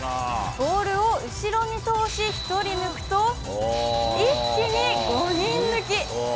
ボールを後ろに通し、１人抜くと、一気に５人抜き。